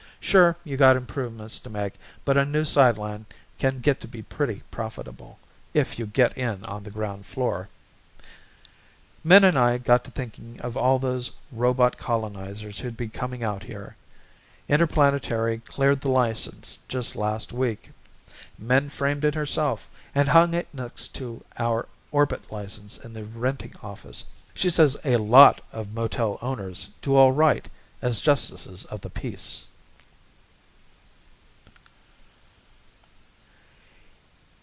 Sure, you got improvements to make but a new sideline can get to be pretty profitable if you get in on the ground floor. Min and I got to thinking of all those robot colonizers who'd be coming out here. Interplanetary cleared the license just last week. Min framed it herself and hung it next to our orbit license in the Renting Office. She says a lot of motel owners do all right as Justices of the Peace.